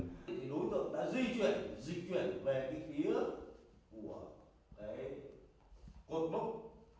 đối tượng đã di chuyển di chuyển về cái kia của cái quần lúc